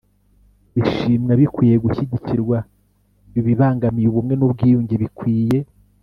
bishimwa bikwiye gushyigikirwa ibibangamiye ubumwe n ubwiyunge bikwiye